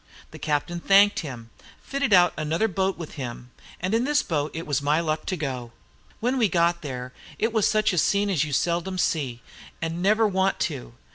The captain thanked him, fitted out another boat with him, and in this boat it was my luck to go. When we got there, it was such a scene as you seldom see, and never want to.